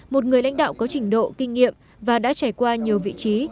một người lãnh đạo có trình độ kinh nghiệm và đã trải qua nhiều vị trí